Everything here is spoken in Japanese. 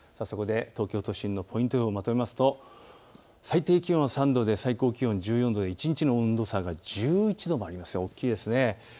そこで東京都心のポイント予報をまとめると最低気温は３度で最高気温は１４度で一日の温度差が１１度まで大きいです。